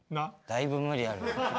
だいぶ無理ある。